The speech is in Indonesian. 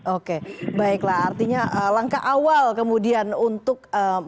oke baiklah artinya langkah awal kemudian untuk menjaga kemampuan umat islam